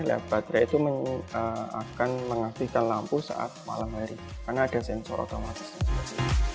ya baterai itu akan mengaktifkan lampu saat malam hari karena ada sensor otomatis juga